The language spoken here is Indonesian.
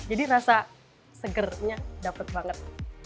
jadi rasa segernya dapat banget